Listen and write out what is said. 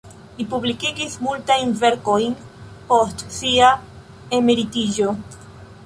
Li publikigis multajn verkojn post sia emeritiĝo.